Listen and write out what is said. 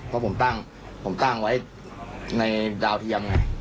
เพราะผมตั้งว่าในดาวเทียมไง